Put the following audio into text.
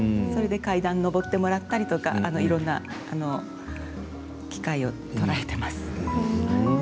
それで階段上ってもらったりとかいろんな機会を捉えてます。